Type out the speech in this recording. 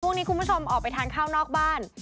คุณผู้ชมออกไปทานข้าวนอกบ้าน